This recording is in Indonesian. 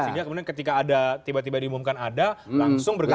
sehingga kemudian ketika ada tiba tiba diumumkan ada langsung bergabung